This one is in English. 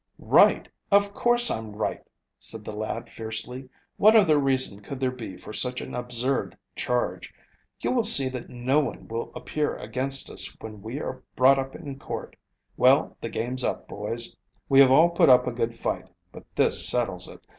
"Right, of course I'm right," said the lad fiercely. "What other reason could there be for such an absurd charge? You will see that no one will appear against us when we are brought up in court. Well, the game's up, boys. We have all put up a good fight, but this settles it.